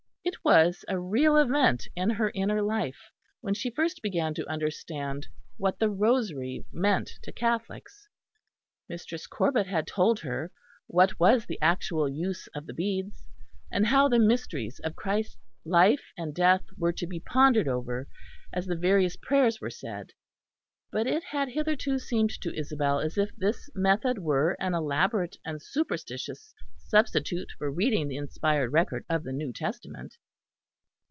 It was a real event in her inner life when she first began to understand what the rosary meant to Catholics. Mistress Corbet had told her what was the actual use of the beads; and how the mysteries of Christ's life and death were to be pondered over as the various prayers were said; but it had hitherto seemed to Isabel as if this method were an elaborate and superstitious substitute for reading the inspired record of the New Testament.